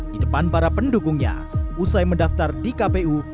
di depan para pendukungnya usai mendaftar di kpu